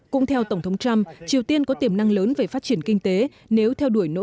cũng theo tổng thống trump triều tiên có tiềm năng lớn về phát triển kinh tế nếu theo đuổi nỗ